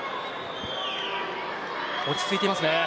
落ち着いていますね。